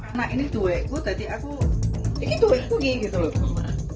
ini tuh ini tuh gini ini tuh lu ini tuh lu